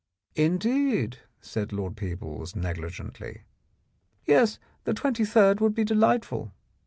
"Indeed," said Lord Peebles negligently. "Yes, the 23rd would be delightful.